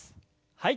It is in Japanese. はい。